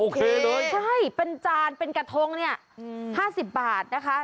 โอเคเลยใช่เป็นจานเป็นกระทง๕๐บาทนะคะ